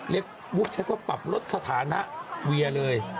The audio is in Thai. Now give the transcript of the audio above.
เรียกวุ๊กชัดก็ปรับรถสถานะเวียเลย